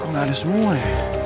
kok gak ada semua ya